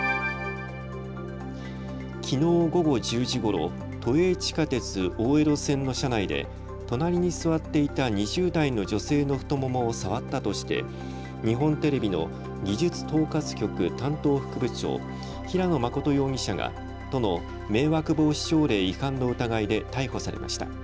きのう午後１０時ごろ都営地下鉄大江戸線の車内で隣に座っていた２０代の女性の太ももを触ったとして日本テレビの技術統括局担当副部長、平野実容疑者が都の迷惑防止条例違反の疑いで逮捕されました。